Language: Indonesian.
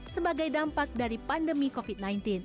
sebagai dampak dari pandemi covid sembilan belas